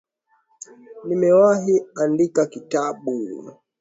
Nimewahi andika kitabu